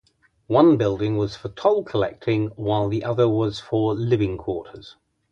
One building was for toll collecting while the other was for living quarters.